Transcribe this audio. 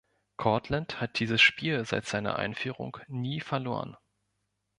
Cortland hat dieses Spiel seit seiner Einführung nie verloren.